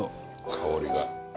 香りが。